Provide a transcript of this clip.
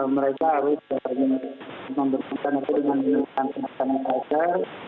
mereka harus memperkenalkan itu dengan dilakukan penyelesaian